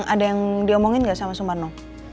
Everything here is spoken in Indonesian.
ada yang diomongin nggak sama sumarno